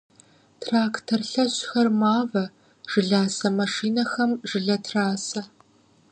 Трактор лъэщхэр мавэ, жыласэ машинэхэм жылэ трасэ.